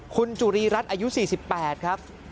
คุณจุรีรัฐอายุ๔๘ครับ